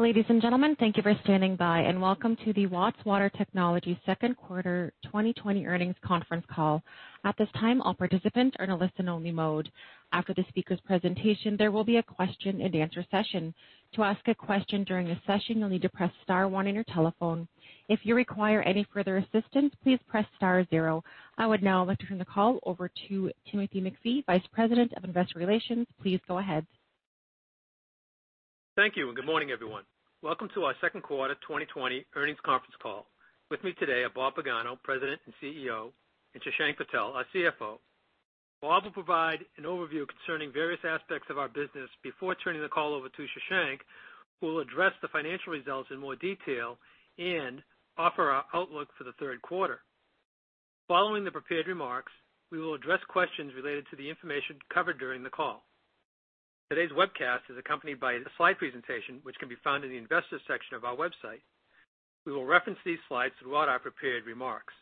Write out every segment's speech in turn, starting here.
Ladies and gentlemen, thank you for standing by, and welcome to the Watts Water Technologies Second Quarter 2020 Earnings Conference Call. At this time, all participants are in a listen-only mode. After the speaker's presentation, there will be a question-and-answer session. To ask a question during the session, you'll need to press star one on your telephone. If you require any further assistance, please press star zero. I would now like to turn the call over to Timothy MacPhee, Vice President of Investor Relations. Please go ahead. Thank you, and good morning, everyone. Welcome to our second quarter 2020 earnings conference call. With me today are Bob Pagano, President and CEO, and Shashank Patel, our CFO. Bob will provide an overview concerning various aspects of our business before turning the call over to Shashank, who will address the financial results in more detail and offer our outlook for the third quarter. Following the prepared remarks, we will address questions related to the information covered during the call. Today's webcast is accompanied by a slide presentation, which can be found in the Investors section of our website. We will reference these slides throughout our prepared remarks.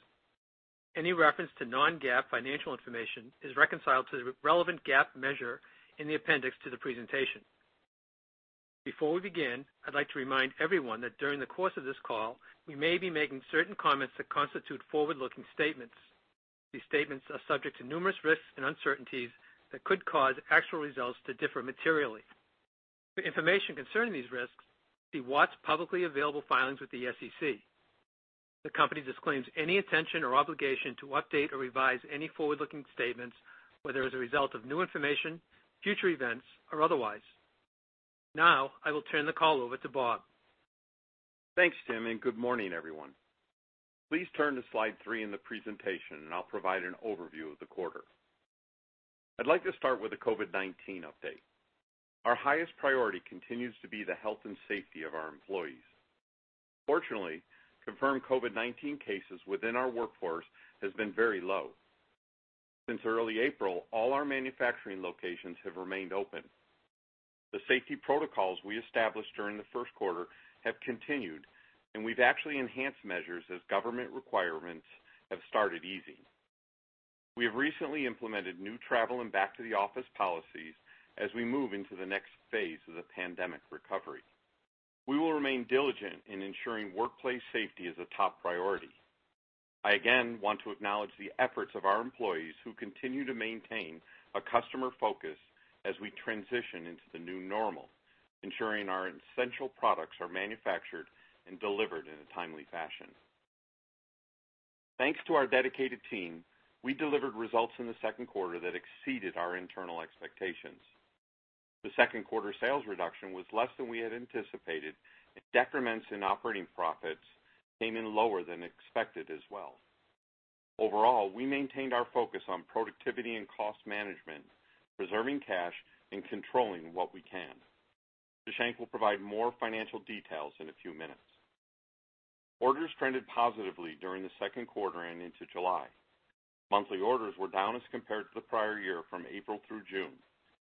Any reference to non-GAAP financial information is reconciled to the relevant GAAP measure in the appendix to the presentation. Before we begin, I'd like to remind everyone that during the course of this call, we may be making certain comments that constitute forward-looking statements. These statements are subject to numerous risks and uncertainties that could cause actual results to differ materially. For information concerning these risks, see Watts' publicly available Filings with the SEC. The company disclaims any intention or obligation to update or revise any forward-looking statements, whether as a result of new information, future events, or otherwise. Now, I will turn the call over to Bob. Thanks, Tim, and good morning, everyone. Please turn to slide 3 in the presentation, and I'll provide an overview of the quarter. I'd like to start with a COVID-19 update. Our highest priority continues to be the health and safety of our employees. Fortunately, confirmed COVID-19 cases within our workforce has been very low. Since early April, all our manufacturing locations have remained open. The safety protocols we established during the first quarter have continued, and we've actually enhanced measures as government requirements have started easing. We have recently implemented new travel and back to the office policies as we move into the next phase of the pandemic recovery. We will remain diligent in ensuring workplace safety is a top priority. I again want to acknowledge the efforts of our employees, who continue to maintain a customer focus as we transition into the new normal, ensuring our essential products are manufactured and delivered in a timely fashion. Thanks to our dedicated team, we delivered results in the second quarter that exceeded our internal expectations. The second quarter sales reduction was less than we had anticipated, and decrements in operating profits came in lower than expected as well. Overall, we maintained our focus on productivity and cost management, preserving cash and controlling what we can. Shashank will provide more financial details in a few minutes. Orders trended positively during the second quarter and into July. Monthly orders were down as compared to the prior year from April through June,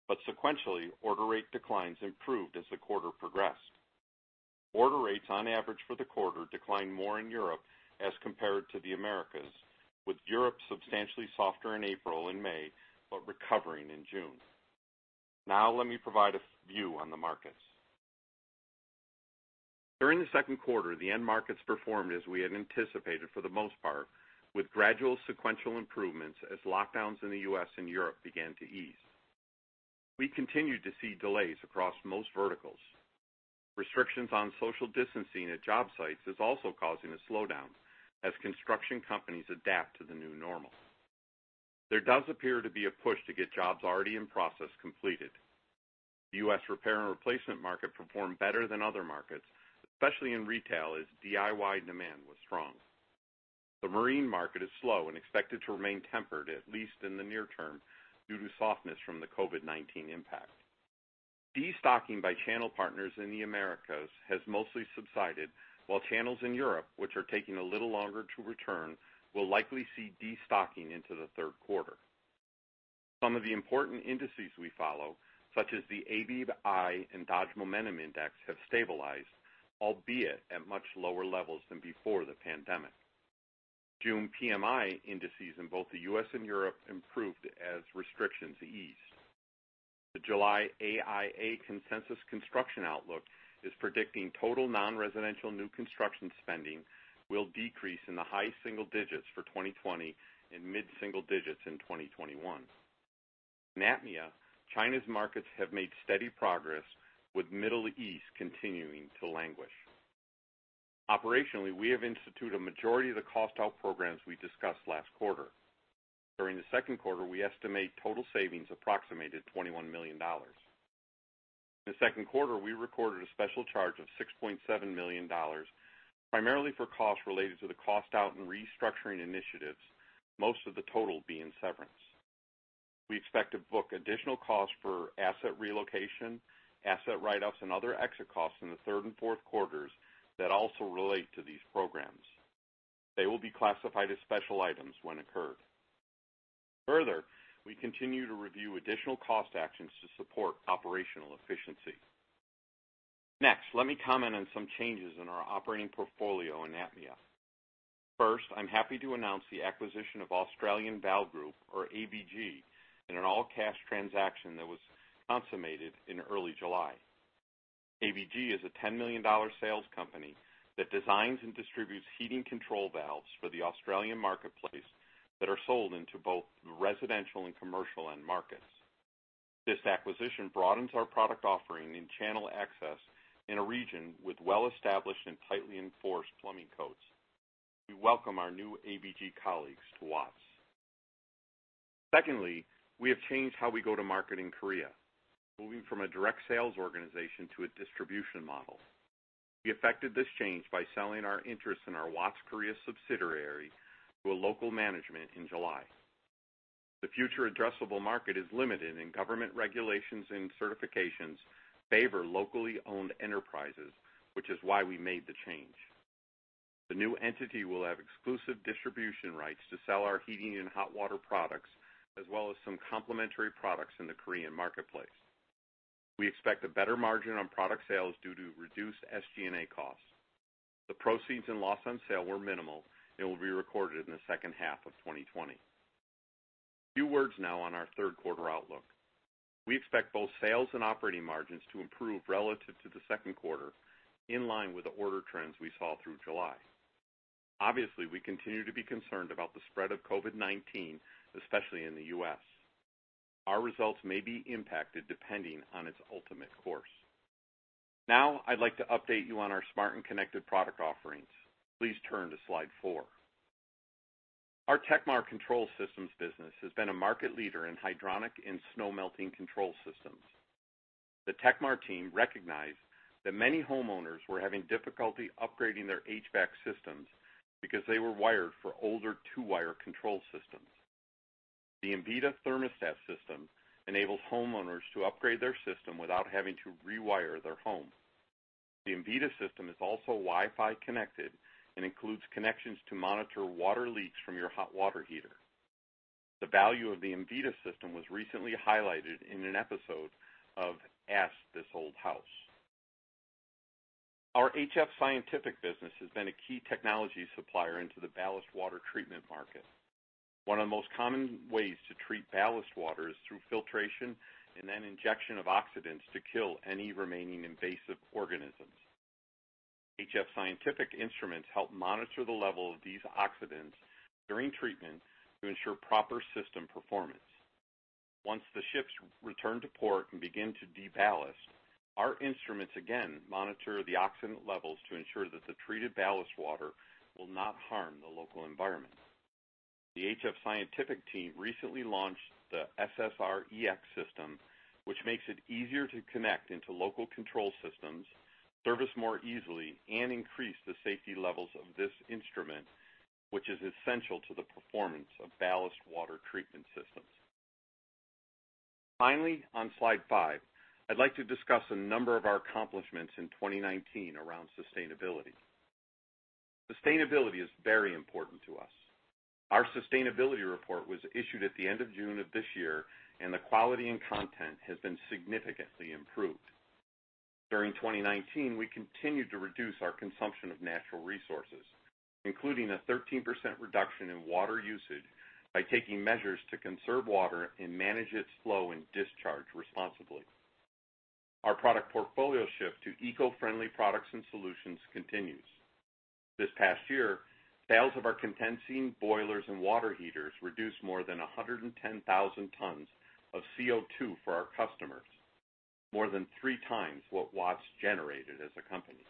but sequentially, order rate declines improved as the quarter progressed. Order rates on average for the quarter declined more in Europe as compared to the Americas, with Europe substantially softer in April and May, but recovering in June. Now let me provide a view on the markets. During the second quarter, the end markets performed as we had anticipated for the most part, with gradual sequential improvements as lockdowns in the U.S. and Europe began to ease. We continued to see delays across most verticals. Restrictions on social distancing at job sites is also causing a slowdown as construction companies adapt to the new normal. There does appear to be a push to get jobs already in process completed. The U.S. repair and replacement market performed better than other markets, especially in retail, as DIY demand was strong. The marine market is slow and expected to remain tempered, at least in the near term, due to softness from the COVID-19 impact. Destocking by channel partners in the Americas has mostly subsided, while channels in Europe, which are taking a little longer to return, will likely see destocking into the third quarter. Some of the important indices we follow, such as the ABI and Dodge Momentum Index, have stabilized, albeit at much lower levels than before the pandemic. June PMI indices in both the U.S. and Europe improved as restrictions eased. The July AIA Consensus Construction Outlook is predicting total non-residential new construction spending will decrease in the high single digits for 2020 and mid-single digits in 2021. In APMEA, China's markets have made steady progress, with Middle East continuing to languish. Operationally, we have instituted a majority of the cost out programs we discussed last quarter. During the second quarter, we estimate total savings approximated $21 million. In the second quarter, we recorded a special charge of $6.7 million, primarily for costs related to the cost out and restructuring initiatives, most of the total being severance. We expect to book additional costs for asset relocation, asset write-offs, and other exit costs in the third and fourth quarters that also relate to these programs. They will be classified as special items when incurred. Further, we continue to review additional cost actions to support operational efficiency. Next, let me comment on some changes in our operating portfolio in APMEA. First, I'm happy to announce the acquisition of Australian Valve Group, or AVG, in an all-cash transaction that was consummated in early July. AVG is a $10 million sales company that designs and distributes heating control valves for the Australian marketplace, that are sold into both the residential and commercial end markets. This acquisition broadens our product offering and channel access in a region with well-established and tightly enforced plumbing codes. We welcome our new AVG colleagues to Watts. Secondly, we have changed how we go to market in Korea, moving from a direct sales organization to a distribution model. We effected this change by selling our interest in our Watts Korea subsidiary to a local management in July. The future addressable market is limited, and government regulations and certifications favor locally owned enterprises, which is why we made the change. The new entity will have exclusive distribution rights to sell our heating and hot water products, as well as some complementary products in the Korean marketplace. We expect a better margin on product sales due to reduced SG&A costs. The proceeds and loss on sale were minimal and will be recorded in the second half of 2020. A few words now on our third quarter outlook. We expect both sales and operating margins to improve relative to the second quarter, in line with the order trends we saw through July. Obviously, we continue to be concerned about the spread of COVID-19, especially in the U.S. Our results may be impacted depending on its ultimate course. Now, I'd like to update you on our smart and connected product offerings. Please turn to slide four. Our tekmar Control Systems business has been a market leader in hydronic and snow melting control systems. The tekmar team recognized that many homeowners were having difficulty upgrading their HVAC systems because they were wired for older two-wire control systems. The Invita thermostat system enables homeowners to upgrade their system without having to rewire their home. The Invita system is also Wi-Fi connected and includes connections to monitor water leaks from your hot water heater. The value of the Invita system was recently highlighted in an episode of Ask This Old House. Our HF Scientific business has been a key technology supplier into the ballast water treatment market. One of the most common ways to treat ballast water is through filtration and then injection of oxidants to kill any remaining invasive organisms. HF Scientific instruments help monitor the level of these oxidants during treatment to ensure proper system performance. Once the ships return to port and begin to de-ballast, our instruments again monitor the oxidant levels to ensure that the treated ballast water will not harm the local environment. The HF Scientific team recently launched the SSR-Ex system, which makes it easier to connect into local control systems, service more easily, and increase the safety levels of this instrument, which is essential to the performance of ballast water treatment systems. Finally, on slide 5, I'd like to discuss a number of our accomplishments in 2019 around sustainability. Sustainability is very important to us. Our sustainability report was issued at the end of June of this year, and the quality and content has been significantly improved. During 2019, we continued to reduce our consumption of natural resources, including a 13% reduction in water usage by taking measures to conserve water and manage its flow and discharge responsibly. Our product portfolio shift to eco-friendly products and solutions continues. This past year, sales of our condensing boilers and water heaters reduced more than 110,000 tons of CO2 for our customers, more than three times what Watts generated as a company.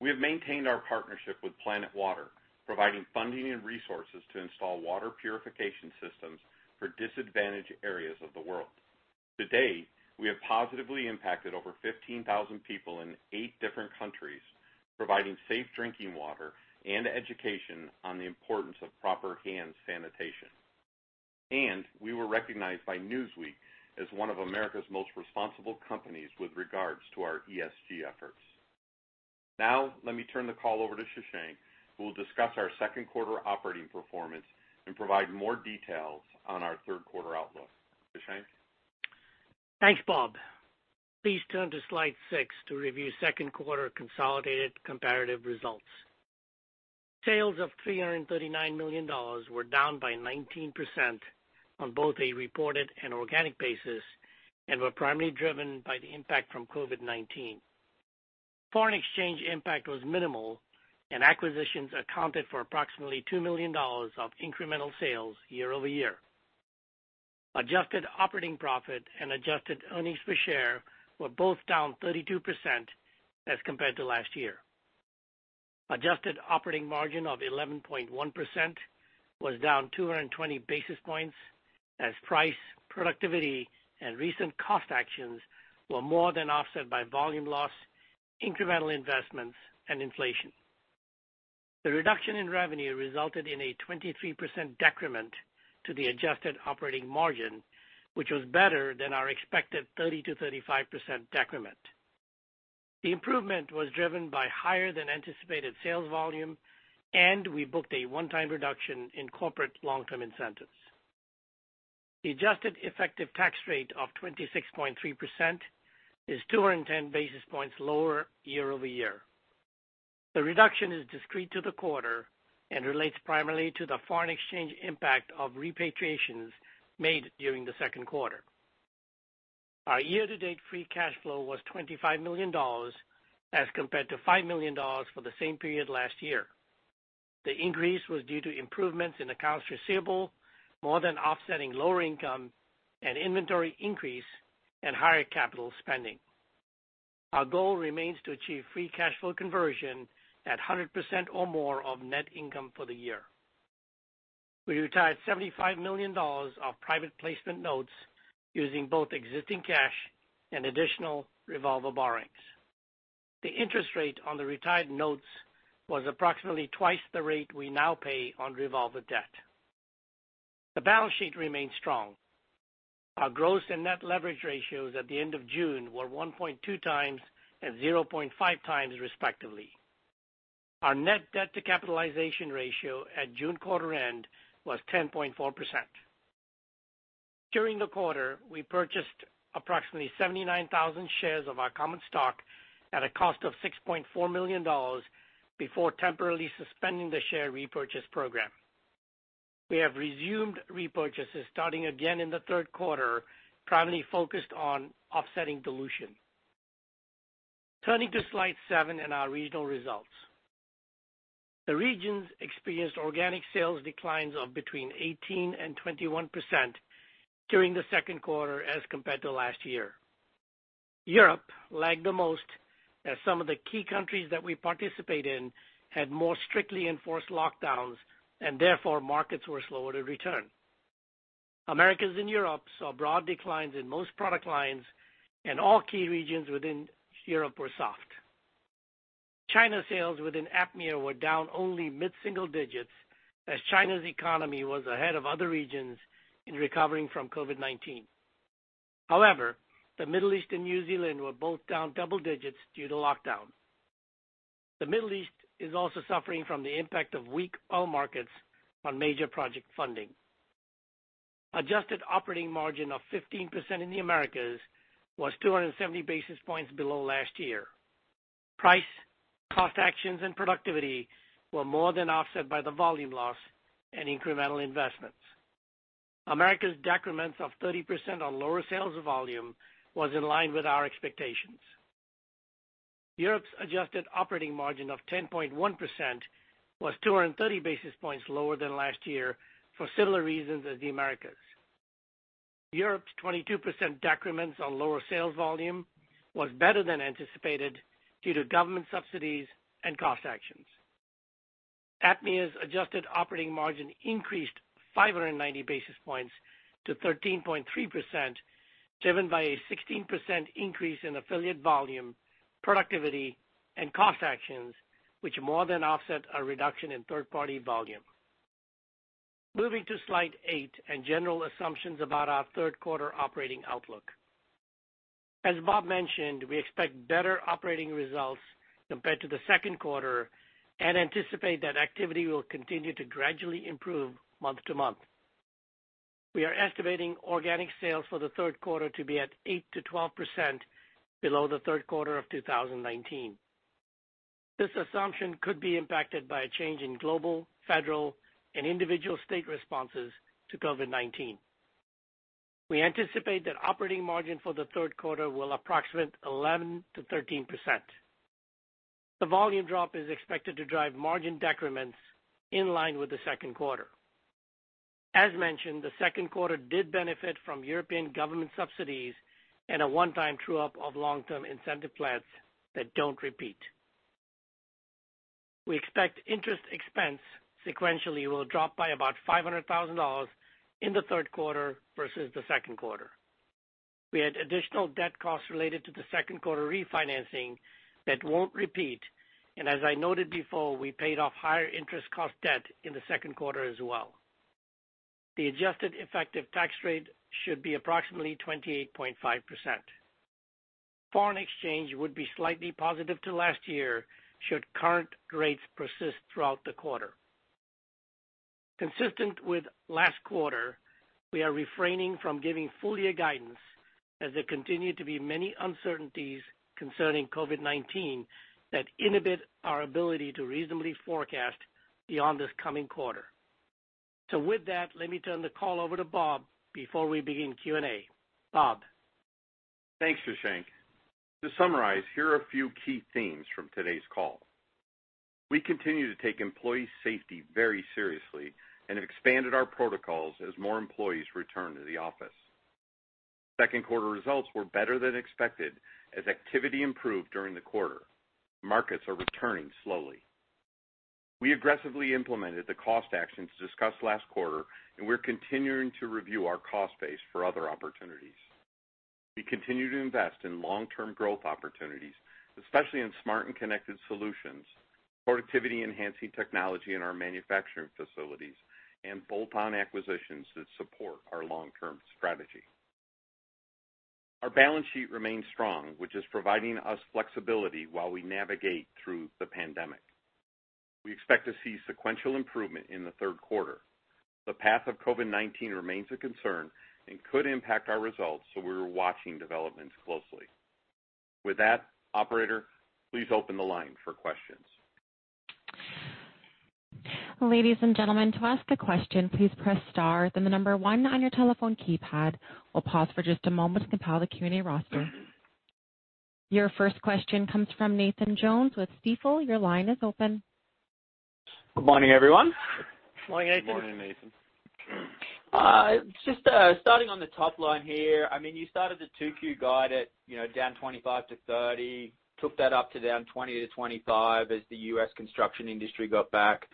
We have maintained our partnership with Planet Water, providing funding and resources to install water purification systems for disadvantaged areas of the world. To date, we have positively impacted over 15,000 people in eight different countries, providing safe drinking water and education on the importance of proper hand sanitation. We were recognized by Newsweek as one of America's most responsible companies with regards to our ESG efforts. Now, let me turn the call over to Shashank, who will discuss our second quarter operating performance and provide more details on our third quarter outlook. Shashank? Thanks, Bob. Please turn to slide 6 to review second quarter consolidated comparative results. Sales of $339 million were down by 19% on both a reported and organic basis, and were primarily driven by the impact from COVID-19. Foreign exchange impact was minimal, and acquisitions accounted for approximately $2 million of incremental sales year-over-year. Adjusted operating profit and adjusted earnings per share were both down 32% as compared to last year. Adjusted operating margin of 11.1% was down 220 basis points, as price, productivity, and recent cost actions were more than offset by volume loss, incremental investments, and inflation. The reduction in revenue resulted in a 23% decrement to the adjusted operating margin, which was better than our expected 30%-35% decrement. The improvement was driven by higher than anticipated sales volume, and we booked a one-time reduction in corporate long-term incentives. The adjusted effective tax rate of 26.3% is 210 basis points lower year-over-year. The reduction is discrete to the quarter and relates primarily to the foreign exchange impact of repatriations made during the second quarter. Our year-to-date free cash flow was $25 million as compared to $5 million for the same period last year. The increase was due to improvements in accounts receivable, more than offsetting lower income and inventory increase and higher capital spending. Our goal remains to achieve free cash flow conversion at 100% or more of net income for the year. We retired $75 million of private placement notes using both existing cash and additional revolver borrowings. The interest rate on the retired notes was approximately twice the rate we now pay on revolver debt. The balance sheet remains strong. Our gross and net leverage ratios at the end of June were 1.2 times and 0.5 times, respectively. Our net debt to capitalization ratio at June quarter end was 10.4%. During the quarter, we purchased approximately 79,000 shares of our common stock at a cost of $6.4 million before temporarily suspending the share repurchase program. We have resumed repurchases starting again in the third quarter, primarily focused on offsetting dilution. Turning to slide 7 and our regional results. The regions experienced organic sales declines of between 18% and 21% during the second quarter as compared to last year. Europe lagged the most, as some of the key countries that we participate in had more strictly enforced lockdowns, and therefore, markets were slower to return. Americas and Europe saw broad declines in most product lines, and all key regions within Europe were soft. China sales within APMEA were down only mid-single digits, as China's economy was ahead of other regions in recovering from COVID-19. However, the Middle East and New Zealand were both down double digits due to lockdown. The Middle East is also suffering from the impact of weak oil markets on major project funding. Adjusted operating margin of 15% in the Americas was 270 basis points below last year. Price, cost actions, and productivity were more than offset by the volume loss and incremental investments. Americas' decrements of 30% on lower sales volume was in line with our expectations. Europe's adjusted operating margin of 10.1% was 230 basis points lower than last year for similar reasons as the Americas. Europe's 22% decrements on lower sales volume was better than anticipated due to government subsidies and cost actions. APMEA's adjusted operating margin increased 590 basis points to 13.3%, driven by a 16% increase in affiliate volume, productivity, and cost actions, which more than offset a reduction in third-party volume. Moving to Slide 8 and general assumptions about our third quarter operating outlook. As Bob mentioned, we expect better operating results compared to the second quarter and anticipate that activity will continue to gradually improve month-to-month. We are estimating organic sales for the third quarter to be at 8%-12% below the third quarter of 2019. This assumption could be impacted by a change in global, federal, and individual state responses to COVID-19. We anticipate that operating margin for the third quarter will approximate 11%-13%. The volume drop is expected to drive margin decrements in line with the second quarter. As mentioned, the second quarter did benefit from European government subsidies and a one-time true-up of long-term incentive plans that don't repeat. We expect interest expense sequentially will drop by about $500,000 in the third quarter versus the second quarter. We had additional debt costs related to the second quarter refinancing that won't repeat, and as I noted before, we paid off higher interest cost debt in the second quarter as well. The adjusted effective tax rate should be approximately 28.5%. Foreign exchange would be slightly positive to last year should current rates persist throughout the quarter. Consistent with last quarter, we are refraining from giving full year guidance as there continue to be many uncertainties concerning COVID-19 that inhibit our ability to reasonably forecast beyond this coming quarter. So with that, let me turn the call over to Bob before we begin Q&A. Bob? Thanks, Shashank. To summarize, here are a few key themes from today's call. We continue to take employee safety very seriously and have expanded our protocols as more employees return to the office. Second quarter results were better than expected as activity improved during the quarter. Markets are returning slowly. We aggressively implemented the cost actions discussed last quarter, and we're continuing to review our cost base for other opportunities. We continue to invest in long-term growth opportunities, especially in smart and connected solutions, productivity-enhancing technology in our manufacturing facilities, and bolt-on acquisitions that support our long-term strategy....Our balance sheet remains strong, which is providing us flexibility while we navigate through the pandemic. We expect to see sequential improvement in the third quarter. The path of COVID-19 remains a concern and could impact our results, so we're watching developments closely. With that, operator, please open the line for questions. Ladies and gentlemen, to ask a question, please press star, then the number one on your telephone keypad. We'll pause for just a moment to compile the Q&A roster. Your first question comes from Nathan Jones with Stifel. Your line is open. Good morning, everyone. Morning, Nathan. Morning, Nathan. Just starting on the top line here. I mean, you started the 2Q guide at, you know, down 25-30, took that up to down 20-25 as the U.S. construction industry got back.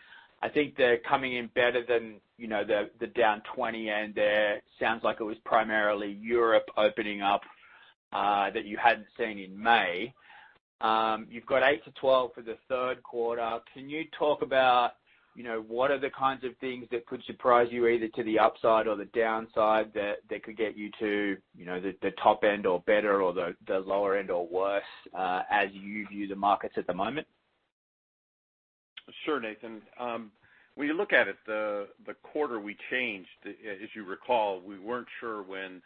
I think they're coming in better than, you know, the down 20, and sounds like it was primarily Europe opening up, that you hadn't seen in May. You've got 8-12 for the third quarter. Can you talk about, you know, what are the kinds of things that could surprise you, either to the upside or the downside, that could get you to, you know, the top end or better, or the lower end or worse, as you view the markets at the moment? Sure, Nathan. When you look at it, the quarter we changed, as you recall, we weren't sure when,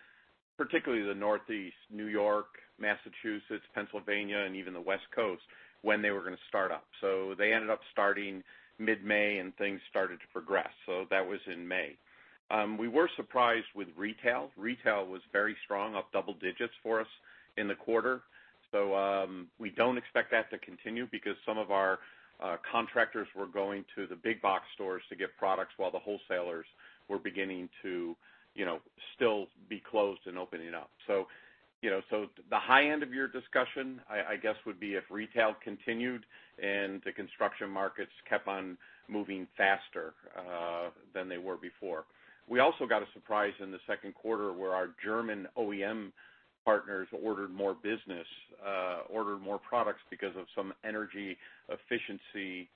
particularly the Northeast, New York, Massachusetts, Pennsylvania, and even the West Coast, when they were gonna start up. So they ended up starting mid-May, and things started to progress. So that was in May. We were surprised with retail. Retail was very strong, up double digits for us in the quarter. So, we don't expect that to continue because some of our contractors were going to the big box stores to get products while the wholesalers were beginning to, you know, still be closed and opening up. So, you know, so the high end of your discussion, I guess, would be if retail continued and the construction markets kept on moving faster than they were before. We also got a surprise in the second quarter, where our German OEM partners ordered more business, ordered more products because of some energy efficiency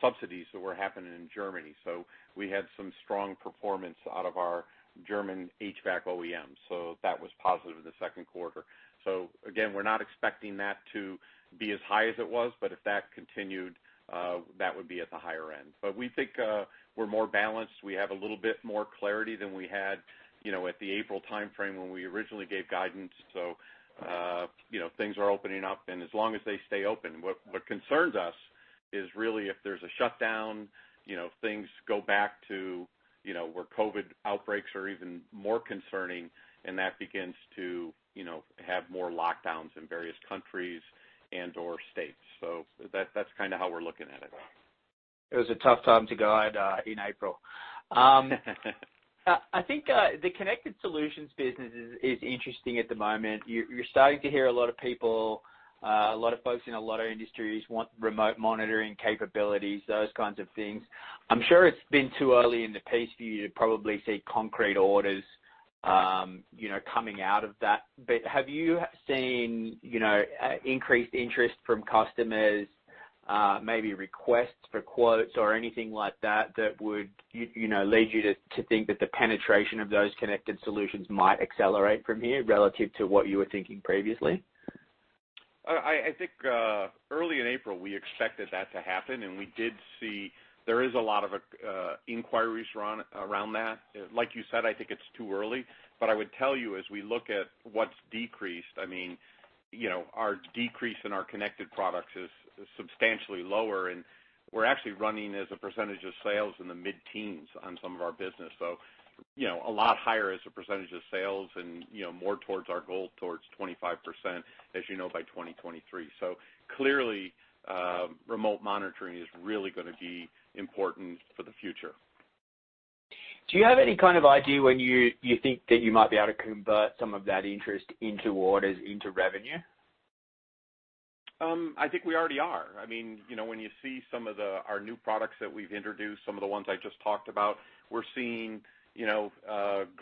subsidies that were happening in Germany. So we had some strong performance out of our German HVAC OEM, so that was positive in the second quarter. So again, we're not expecting that to be as high as it was, but if that continued, that would be at the higher end. But we think, we're more balanced. We have a little bit more clarity than we had, you know, at the April timeframe when we originally gave guidance. So, you know, things are opening up, and as long as they stay open. What concerns us is really if there's a shutdown, you know, things go back to, you know, where COVID outbreaks are even more concerning, and that begins to, you know, have more lockdowns in various countries and/or states. So that's kind of how we're looking at it. It was a tough time to guide in April. I think the connected solutions business is interesting at the moment. You're starting to hear a lot of people, a lot of folks in a lot of industries want remote monitoring capabilities, those kinds of things. I'm sure it's been too early in the piece for you to probably see concrete orders, you know, coming out of that. But have you seen, you know, increased interest from customers, maybe requests for quotes or anything like that, that would, you know, lead you to think that the penetration of those connected solutions might accelerate from here relative to what you were thinking previously? I think early in April, we expected that to happen, and we did see there is a lot of inquiries around around that. Like you said, I think it's too early. But I would tell you, as we look at what's decreased, I mean, you know, our decrease in our connected products is substantially lower, and we're actually running as a percentage of sales in the mid-teens on some of our business. So, you know, a lot higher as a percentage of sales and, you know, more towards our goal towards 25%, as you know, by 2023. So clearly, remote monitoring is really gonna be important for the future. Do you have any kind of idea when you think that you might be able to convert some of that interest into orders, into revenue? I think we already are. I mean, you know, when you see some of the our new products that we've introduced, some of the ones I just talked about, we're seeing, you know,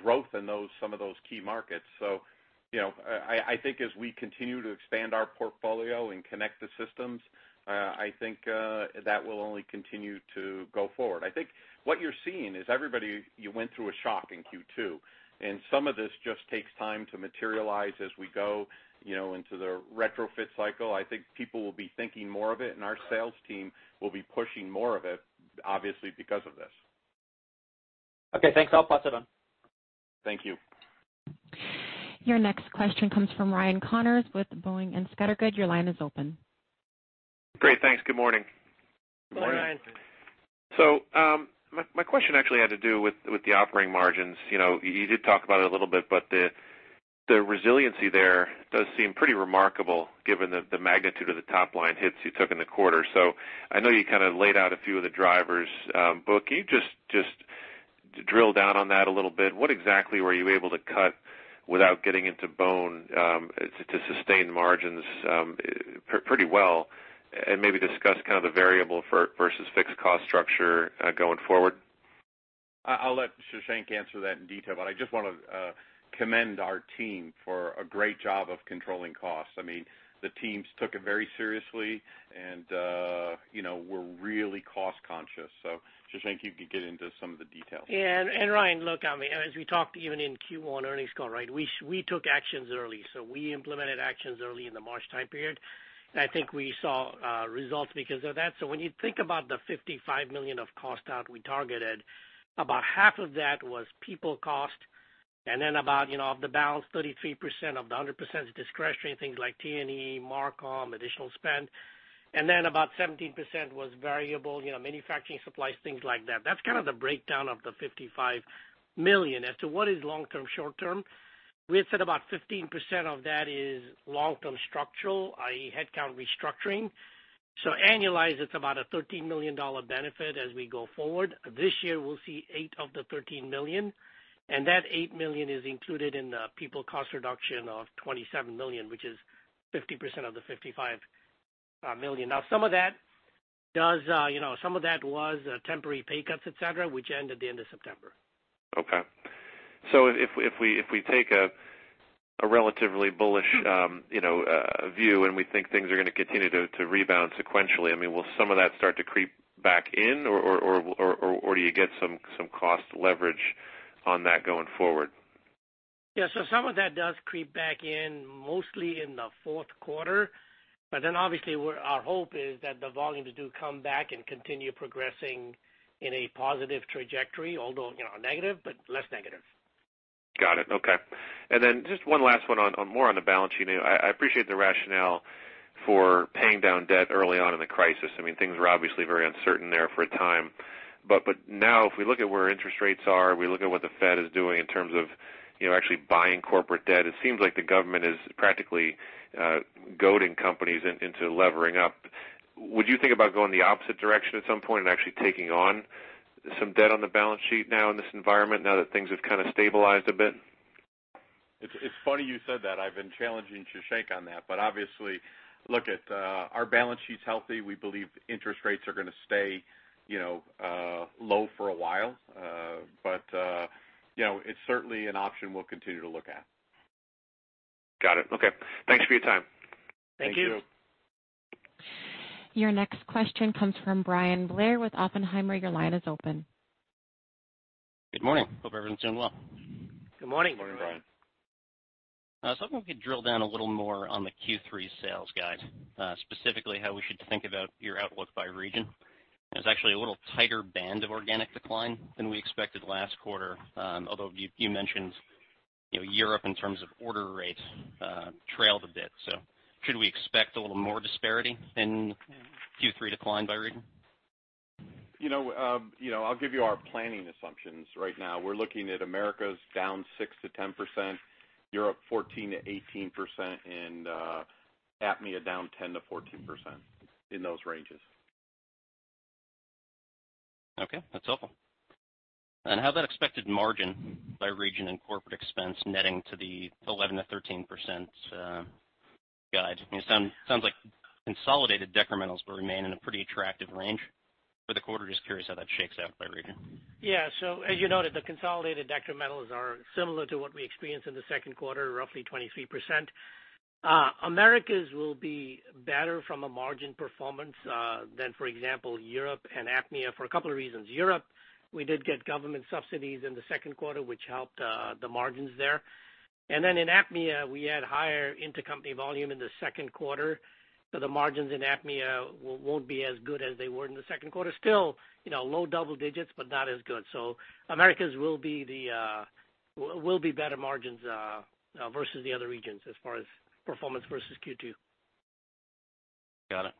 growth in those, some of those key markets. So, you know, I think as we continue to expand our portfolio and connect the systems, I think that will only continue to go forward. I think what you're seeing is everybody, you went through a shock in Q2, and some of this just takes time to materialize as we go, you know, into the retrofit cycle. I think people will be thinking more of it, and our sales team will be pushing more of it, obviously, because of this. Okay, thanks. I'll pass it on. Thank you. Your next question comes from Ryan Connors with Boenning & Scattergood. Your line is open. Great, thanks. Good morning. Good morning. So, my question actually had to do with the operating margins. You know, you did talk about it a little bit, but the resiliency there does seem pretty remarkable given the magnitude of the top-line hits you took in the quarter. So I know you kind of laid out a few of the drivers, but can you just drill down on that a little bit? What exactly were you able to cut without getting into bone, to sustain margins pretty well, and maybe discuss kind of the variable versus fixed cost structure, going forward?... I'll let Shashank answer that in detail, but I just want to commend our team for a great job of controlling costs. I mean, the teams took it very seriously, and you know, we're really cost conscious. So Shashank, you could get into some of the details. Yeah, and Ryan, look, I mean, as we talked even in Q1 earnings call, right, we, we took actions early. So we implemented actions early in the March time period, and I think we saw results because of that. So when you think about the $55 million of cost out we targeted, about half of that was people cost, and then about, you know, of the balance, 33% of the 100% is discretionary, things like T&E, MarCom, additional spend. And then about 17% was variable, you know, manufacturing supplies, things like that. That's kind of the breakdown of the $55 million. As to what is long term, short term, we have said about 15% of that is long-term structural, i.e., headcount restructuring. So annualized, it's about a $13 million benefit as we go forward. This year, we'll see $8 million of the $13 million, and that $8 million is included in the people cost reduction of $27 million, which is 50% of the $55 million. Now, some of that does, you know, some of that was, temporary pay cuts, et cetera, which ended the end of September. Okay. So if we take a relatively bullish, you know, view, and we think things are gonna continue to rebound sequentially, I mean, will some of that start to creep back in, or do you get some cost leverage on that going forward? Yeah, so some of that does creep back in, mostly in the fourth quarter. But then, obviously, we're, our hope is that the volumes do come back and continue progressing in a positive trajectory, although, you know, negative, but less negative. Got it. Okay. And then just one last one on, on more on the balance sheet. I, I appreciate the rationale for paying down debt early on in the crisis. I mean, things were obviously very uncertain there for a time. But, but now, if we look at where interest rates are, we look at what the Fed is doing in terms of, you know, actually buying corporate debt, it seems like the government is practically goading companies in, into levering up. Would you think about going the opposite direction at some point and actually taking on some debt on the balance sheet now in this environment, now that things have kind of stabilized a bit? It's, it's funny you said that. I've been challenging Shashank on that, but obviously, look at, our balance sheet's healthy. We believe interest rates are gonna stay, you know, low for a while. But, you know, it's certainly an option we'll continue to look at. Got it. Okay. Thanks for your time. Thank you. Thank you. Your next question comes from Brian Blair with Oppenheimer. Your line is open. Good morning. Hope everyone's doing well. Good morning. Good morning, Brian. So I was hoping we could drill down a little more on the Q3 sales guide, specifically how we should think about your outlook by region. It's actually a little tighter band of organic decline than we expected last quarter, although you mentioned, you know, Europe, in terms of order rates, trailed a bit. So should we expect a little more disparity in Q3 decline by region? You know, you know, I'll give you our planning assumptions. Right now, we're looking at Americas down 6%-10%, Europe 14%-18%, and APMEA down 10%-14%, in those ranges. Okay, that's helpful. And how that expected margin by region and corporate expense netting to the 11%-13% guide? I mean, sounds like consolidated decrementals will remain in a pretty attractive range for the quarter. Just curious how that shakes out by region. Yeah. So as you noted, the consolidated decrementals are similar to what we experienced in the second quarter, roughly 23%. Americas will be better from a margin performance than, for example, Europe and APMEA, for a couple of reasons. Europe, we did get government subsidies in the second quarter, which helped the margins there. And then in APMEA, we had higher intercompany volume in the second quarter, so the margins in APMEA won't be as good as they were in the second quarter. Still, you know, low double digits, but not as good. So Americas will be better margins versus the other regions as far as performance versus Q2. Got it.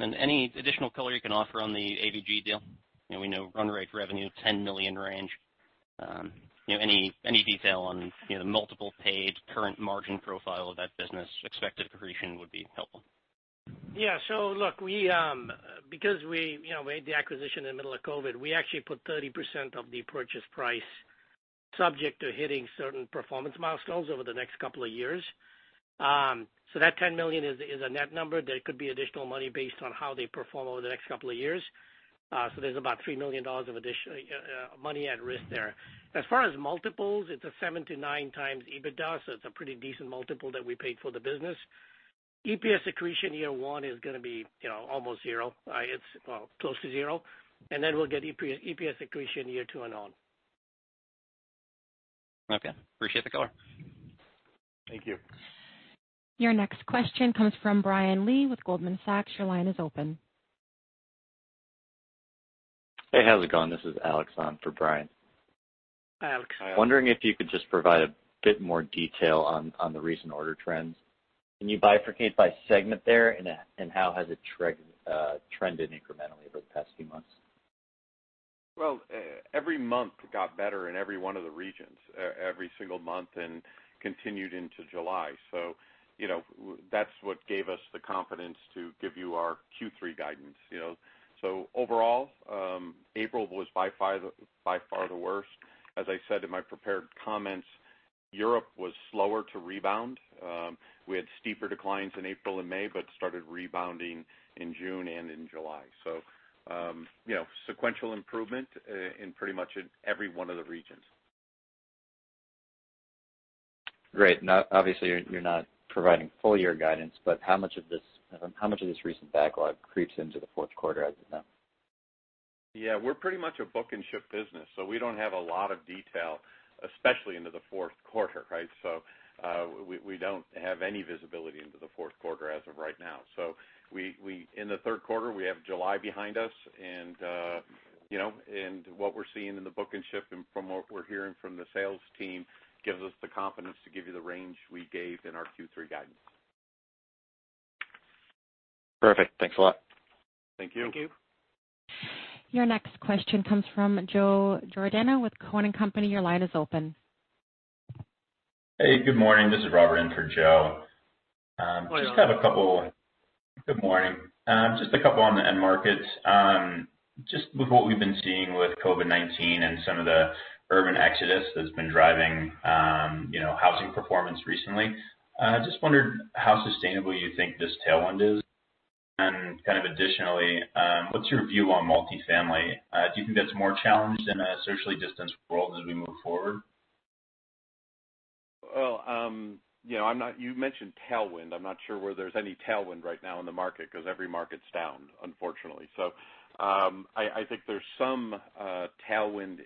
Any additional color you can offer on the AVG deal? You know, we know run rate revenue, $10 million range. You know, any detail on, you know, the multiple paid, current margin profile of that business, expected accretion would be helpful. Yeah. So look, we, because we, you know, made the acquisition in the middle of COVID, we actually put 30% of the purchase price subject to hitting certain performance milestones over the next couple of years. So that $10 million is a net number. There could be additional money based on how they perform over the next couple of years. So there's about $3 million of additional money at risk there. As far as multiples, it's a 7-9x EBITDA, so it's a pretty decent multiple that we paid for the business. EPS accretion year one is gonna be, you know, almost zero. It's, well, close to zero, and then we'll get EPS accretion year two and on. Okay. Appreciate the color. Thank you. Your next question comes from Brian Lee with Goldman Sachs. Your line is open. Hey, how's it going? This is Alex on for Brian. Alex, hi. Wondering if you could just provide a bit more detail on the recent order trends. Can you bifurcate by segment there, and how has it trended incrementally over the past few months? Well, every month got better in every one of the regions, every single month, and continued into July. So, you know, that's what gave us the confidence to give you our Q3 guidance, you know. So overall, April was by far the worst. As I said in my prepared comments, Europe was slower to rebound. We had steeper declines in April and May, but started rebounding in June and in July. So, you know, sequential improvement in pretty much every one of the regions. Great. Now, obviously, you're, you're not providing full year guidance, but how much of this, how much of this recent backlog creeps into the fourth quarter as of now? Yeah, we're pretty much a book and ship business, so we don't have a lot of detail, especially into the fourth quarter, right? So, we don't have any visibility into the fourth quarter as of right now. So we--in the third quarter, we have July behind us, and, you know, and what we're seeing in the book and ship, and from what we're hearing from the sales team, gives us the confidence to give you the range we gave in our quarter guidance. Perfect. Thanks a lot. Thank you. Thank you. Your next question comes from Joe Giordanowith Cowen and Company. Your line is open. Hey, good morning. This is Robert in for Joe. Hello. Good morning. Just a couple on the end markets. Just with what we've been seeing with COVID-19 and some of the urban exodus that's been driving, you know, housing performance recently, I just wondered how sustainable you think this tailwind is? And kind of additionally, what's your view on multifamily? Do you think that's more challenged in a socially distanced world as we move forward? Well, you know, I'm not-- You mentioned tailwind. I'm not sure where there's any tailwind right now in the market, 'cause every market's down, unfortunately. So, I think there's some tailwind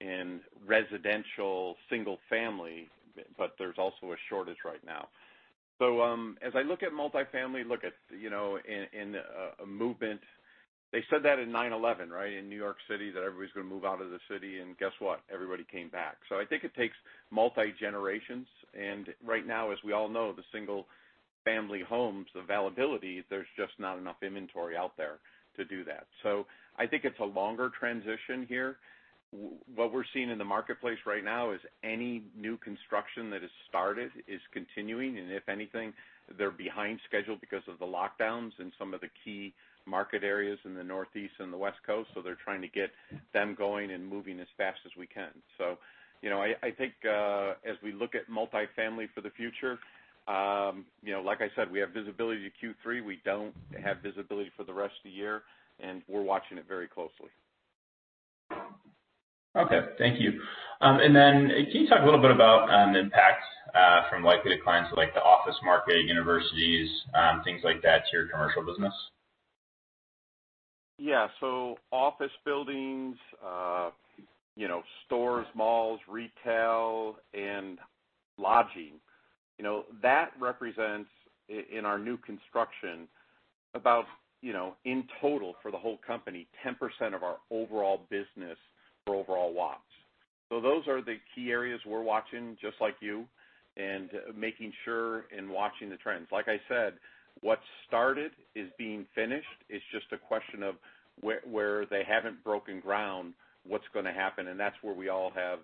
in residential single family, but there's also a shortage right now. So, as I look at multifamily, look at, you know, in a movement... They said that in 9/11, right, in New York City, that everybody's gonna move out of the city, and guess what? Everybody came back. So I think it takes multi-generations, and right now, as we all know, the single-family homes availability, there's just not enough inventory out there to do that. So I think it's a longer transition here. What we're seeing in the marketplace right now is any new construction that is started, is continuing, and if anything, they're behind schedule because of the lockdowns in some of the key market areas in the Northeast and the West Coast, so they're trying to get them going and moving as fast as we can. So, you know, I think, as we look at multifamily for the future, you know, like I said, we have visibility to quater three. We don't have visibility for the rest of the year, and we're watching it very closely. Okay. Thank you. And then can you talk a little bit about the impact from likely the clients like the office market, universities, things like that, to your commercial business? Yeah. So office buildings, you know, stores, malls, retail, and lodging, you know, that represents in our new construction about, you know, in total for the whole company, 10% of our overall business for overall Watts. So those are the key areas we're watching, just like you, and making sure and watching the trends. Like I said, what started is being finished. It's just a question of where they haven't broken ground, what's gonna happen? And that's where we all have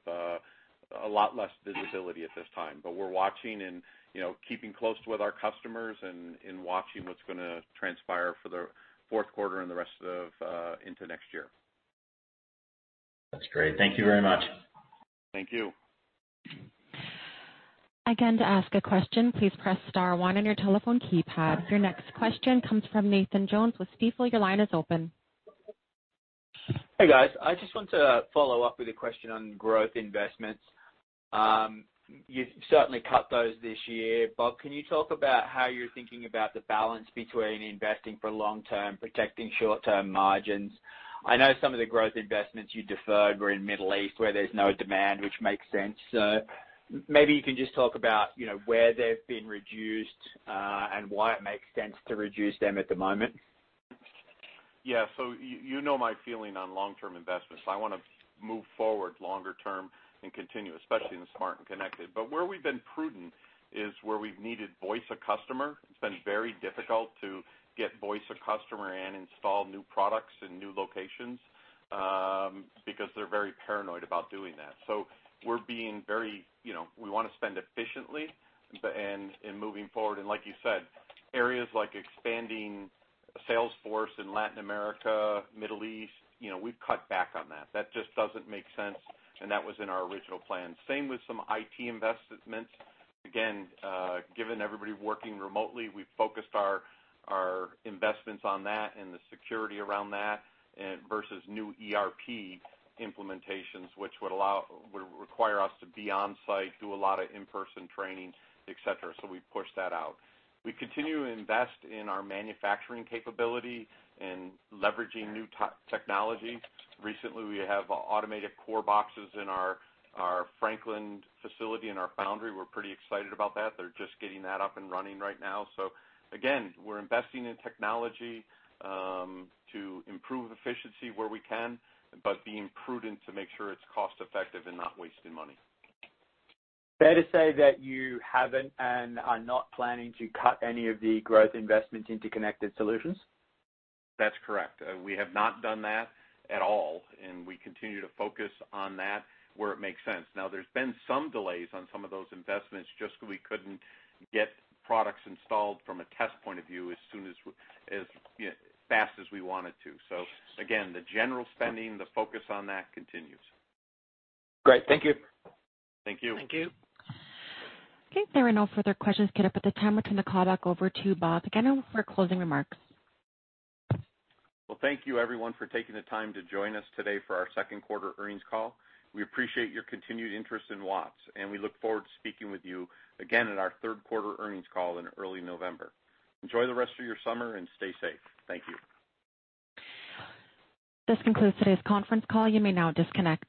a lot less visibility at this time. But we're watching and, you know, keeping close with our customers and watching what's gonna transpire for the fourth quarter and the rest of into next year. That's great. Thank you very much. Thank you. Again, to ask a question, please press star one on your telephone keypad. Your next question comes from Nathan Jones with Stifel. Your line is open. Hey, guys. I just want to follow up with a question on growth investments. You've certainly cut those this year. Bob, can you talk about how you're thinking about the balance between investing for long term, protecting short-term margins? I know some of the growth investments you deferred were in Middle East, where there's no demand, which makes sense. So maybe you can just talk about, you know, where they've been reduced, and why it makes sense to reduce them at the moment. Yeah. So you know my feeling on long-term investments. I wanna move forward longer term and continue especially in the smart and connected. But where we've been prudent is where we've needed voice of customer. It's been very difficult to get voice of customer and install new products in new locations, because they're very paranoid about doing that. So we're being very, you know, we wanna spend efficiently, and moving forward, and like you said, areas like expanding sales force in Latin America, Middle East, you know, we've cut back on that. That just doesn't make sense, and that was in our original plan. Same with some IT investments. Again, given everybody working remotely, we've focused our investments on that and the security around that, versus new ERP implementations, which would require us to be on site, do a lot of in-person training, et cetera. So we've pushed that out. We continue to invest in our manufacturing capability and leveraging new technology. Recently, we have automated core boxes in our Franklin facility, in our foundry. We're pretty excited about that. They're just getting that up and running right now. So again, we're investing in technology to improve efficiency where we can, but being prudent to make sure it's cost effective and not wasting money. Fair to say that you haven't and are not planning to cut any of the growth investments into connected solutions? That's correct. We have not done that at all, and we continue to focus on that where it makes sense. Now, there's been some delays on some of those investments, just so we couldn't get products installed from a test point of view as soon as, you know, as fast as we wanted to. So again, the general spending, the focus on that continues. Great. Thank you. Thank you. Thank you. Okay, there are no further questions queued up at the time. I'll turn the call back over to you, Bob, again, for closing remarks. Well, thank you everyone for taking the time to join us today for our second quarter earnings call. We appreciate your continued interest in Watts, and we look forward to speaking with you again at our third quarter earnings call in early November. Enjoy the rest of your summer and stay safe. Thank you. This concludes today's conference call. You may now disconnect.